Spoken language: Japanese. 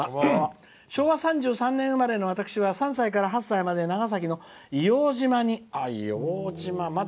昭和３３年生まれで私は３歳から８歳まで長崎の硫黄島に。